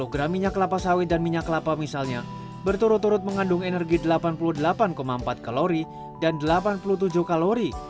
sepuluh gram minyak kelapa sawit dan minyak kelapa misalnya berturut turut mengandung energi delapan puluh delapan empat kalori dan delapan puluh tujuh kalori